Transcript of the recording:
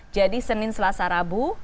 jadi senin selasa rabu